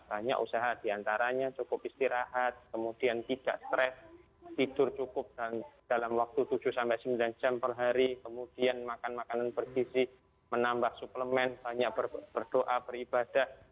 banyak usaha diantaranya cukup istirahat kemudian tidak stres tidur cukup dalam waktu tujuh sembilan jam per hari kemudian makan makanan bergisi menambah suplemen banyak berdoa beribadah